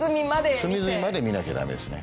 隅々まで見なきゃダメですね。